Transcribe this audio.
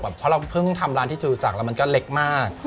เพราะเราเพิ่งทำร้านที่จูจักรแล้วมันก็เล็กมาก